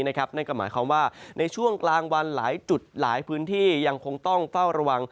นั่นก็หมายความว่าในช่วงกลางวันหลายจุดหลายพื้นที่ยังคงต้องเฝ้าระวัง